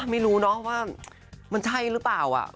ไม่รู้เนอะว่ามันใช่หรือเปล่า